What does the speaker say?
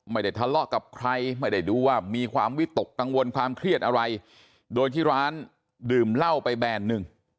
ไม่ได้ทะเลาะกับใครไม่ได้ดูว่ามีความวิตกกังวลความเครียดอะไรโดยที่ร้านดื่มเหล้าไปแบนหนึ่ง